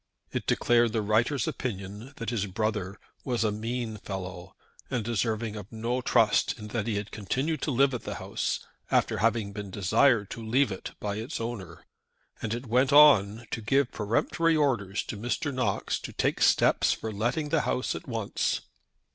It declared the writer's opinion that his brother was a mean fellow, and deserving of no trust in that he had continued to live at the house after having been desired to leave it by its owner; and it went on to give peremptory orders to Mr. Knox to take steps for letting the house at once.